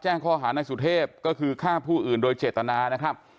แจ้งค่อหาในสุธิบก็คือฆ่าผู้อื่นโดยเจตนานะครับ